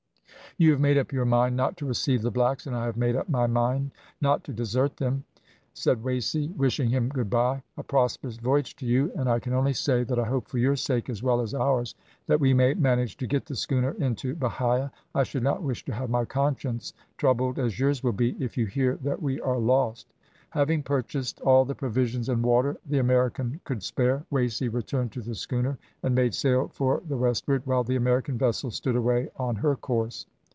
"`You have made up your mind not to receive the blacks, and I have made up mine not to desert them,' said Wasey, wishing him good bye. `A prosperous voyage to you, and I can only say that I hope for your sake as well as ours, that we may manage to get the schooner into Bahia. I should not wish to have my conscience troubled as yours will be if you hear that we are lost.' Having purchased all the provisions and water the American could spare, Wasey returned to the schooner and made sail for the westward, while the American vessel stood away on her course.